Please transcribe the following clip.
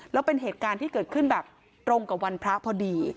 แล้วเป็นเหตุการณ์ที่เกิดขึ้นแบบตรงกับวันพระพอดี